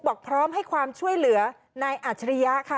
บอกพร้อมให้ความช่วยเหลือนายอัจฉริยะค่ะ